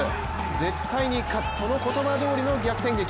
絶対に勝つその言葉どおりの逆転劇。